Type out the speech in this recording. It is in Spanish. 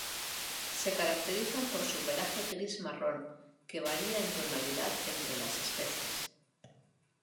Se caracterizan por su pelaje gris-marrón, que varía en tonalidad entre las especies.